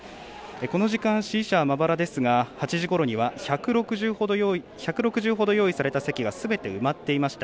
この時間、支持者はまばらですが１６０ほど用意された席が８時ごろにはすべて埋まっていました。